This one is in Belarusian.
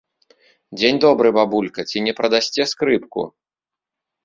Дзень добры, бабулька, ці не прадасце скрыпку?